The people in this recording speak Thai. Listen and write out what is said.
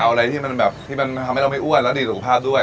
เอาอะไรที่มันแบบที่มันทำให้เราไม่อ้วนแล้วดีสุขภาพด้วย